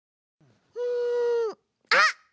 うん。あっ！